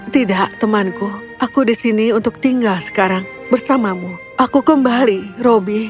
tidak temanku aku di sini untuk tinggal sekarang bersamamu aku kembali robby